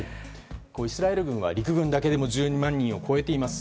イスラエル軍は陸軍だけでも１２万人を超えています。